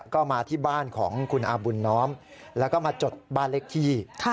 ก็มาที่บ้านของคุณอาบุญน้อมแล้วก็มาจดบ้านเลขที่